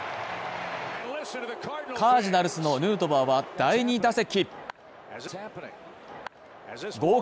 カージナルスのヌートバーは第２打席